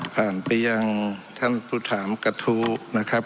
ไปยังท่านผู้ถามกระทู้นะครับ